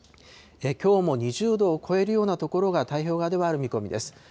きょうも２０度を超えるような所が太平洋側ではある見込みです。